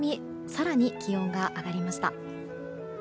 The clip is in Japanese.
更に気温が上がりました。